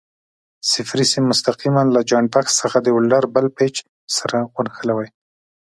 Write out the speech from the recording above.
صفري سیم مستقیماً له جاینټ بکس څخه د ولډر بل پېچ سره ونښلوئ.